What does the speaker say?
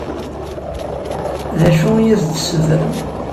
D acu i as-d-tessutrem?